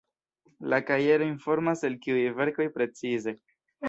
La kajero informas, el kiuj verkoj precize.